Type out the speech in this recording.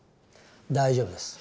大丈夫です。